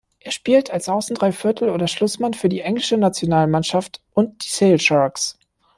Er spielt als Außendreiviertel oder Schlussmann für die englische Nationalmannschaft und die Sale Sharks.